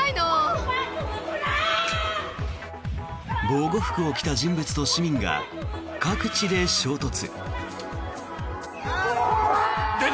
防護服を着た人物と市民が各地で衝突。